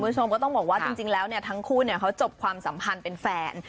คุณผู้ชมก็ต้องบอกว่าจริงแล้วเนี่ยทั้งคู่เขาจบความสัมพันธ์เป็นแฟน